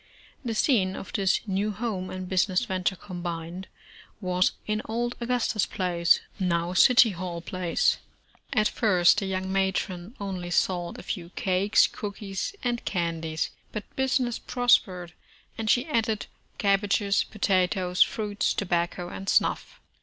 The scene of this new home and business venture combined, was in old Augustus Place, now City Hall Place. At first the young matron only sold a few cakes, cookies, and candies, but business prospered, and she added cabbages, potatoes, fruits, tobacco and snuff.